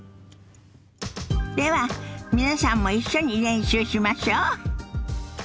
では皆さんも一緒に練習しましょ。